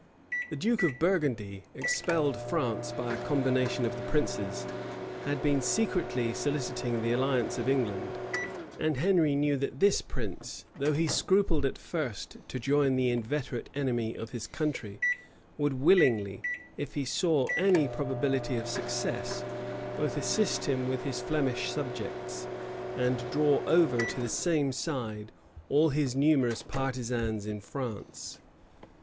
The duke of Burgundy, expelled France by a combination of the princes, had been secretly soliciting the alliance of England; [] and Henry knew that this prince, though he scrupled at first to join the inveterate enemy of his country, would willingly, if he saw any probability of success, both assist him with his Flemish subjects, and draw over to the same side all his numerous partisans in France.